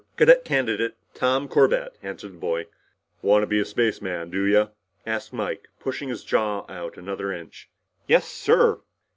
Cadet Candidate Tom Corbett," answered the boy. "Wanta be a spaceman, do ya?" asked Mike, pushing his jaw out another inch. "Yes, sir!"